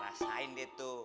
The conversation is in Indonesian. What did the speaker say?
rasain deh tuh